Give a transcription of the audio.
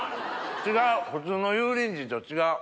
違う普通の油淋鶏と違う。